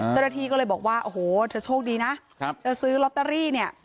เจ้าหน้าที่ก็เลยบอกว่าโอ้โหเธอโชคดีนะเธอซื้อลอตเตอรี่เนี่ย